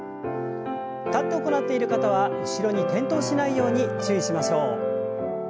立って行っている方は後ろに転倒しないように注意しましょう。